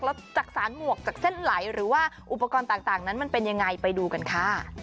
แล้วจากสารหมวกจากเส้นไหลหรือว่าอุปกรณ์ต่างนั้นมันเป็นยังไงไปดูกันค่ะ